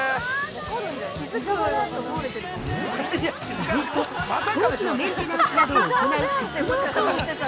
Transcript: ◆続いて、飛行機のメンテナンスなどを行う格納庫へ。